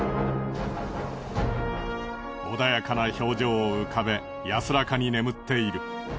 穏やかな表情を浮かべ安らかに眠っている。